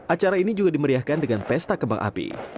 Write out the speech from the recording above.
acara ini juga dimeriahkan dengan pesta kembang api